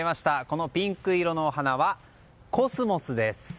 このピンク色の花はコスモスです。